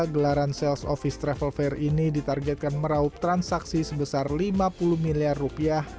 gelaran sales office travel fair ini ditargetkan meraup transaksi sebesar lima puluh miliar rupiah